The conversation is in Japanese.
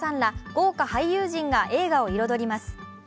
豪華俳優陣が映画を彩ります。